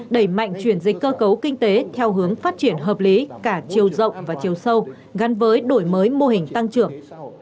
đẩy mạnh chuyển dịch cơ cấu kinh tế theo hướng phát triển hợp lý cả chiều rộng và chiều sâu gắn với đổi mới mô hình tăng trưởng